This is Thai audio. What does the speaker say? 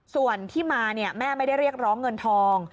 ส่วนที่มาแม่ไม่ได้เรียกร้องเงินทอง